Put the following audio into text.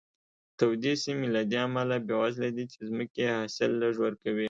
تودې سیمې له دې امله بېوزله دي چې ځمکې یې حاصل لږ ورکوي.